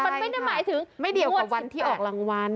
มันไม่ได้หมายถึงงวดสิบแปดไม่เดียวกับวันที่ออกรางวัล